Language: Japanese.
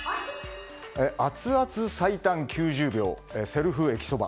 アツアツ最短９０秒セルフ駅そば。